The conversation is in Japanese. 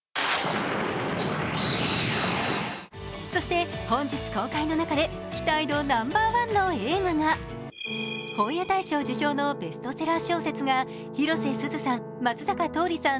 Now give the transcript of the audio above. そして、本日公開の中で期待度ナンバーワンの映画が、本屋大賞受賞のベストセラー小説が広瀬すずさん、松坂桃李さん